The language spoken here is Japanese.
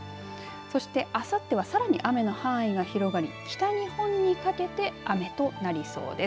そしてあさってはさらに雨の範囲が広がり北日本にかけて雨となりそうです。